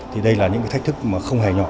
thì đây là những cái thách thức mà không hề nhỏ